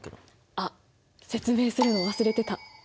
あっ説明するの忘れてた。